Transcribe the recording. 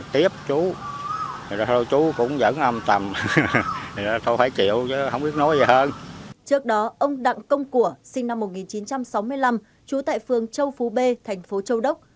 trước đó ông đặng công của sinh năm một nghìn chín trăm sáu mươi năm trú tại phường châu phú b thành phố châu đốc